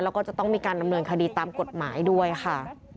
แล้วก็จะต้องมีการดำเนินคดีตามกฎหมายด้วยค่ะ